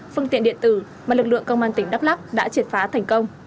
phương tiện điện tử mà lực lượng công an tỉnh đắk lắc đã triệt phá thành công